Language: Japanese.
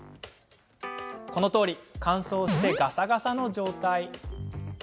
このとおり乾燥して、ガサガサの状態。